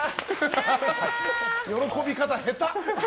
喜び方、下手！